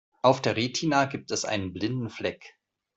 Auf der Retina gibt es einen blinden Fleck.